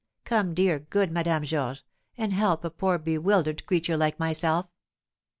Come, dear, good Madame Georges, and help a poor bewildered creature like myself!"